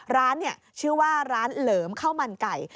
ร้านชื่อว่าร้านเหลิมข้าวมันไก่